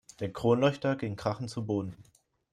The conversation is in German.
Der Kronleuchter ging krachend zu Boden.